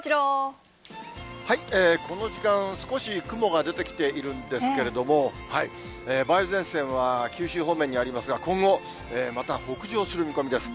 この時間、少し雲が出てきているんですけれども、梅雨前線は九州方面にありますが、今後、また北上する見込みです。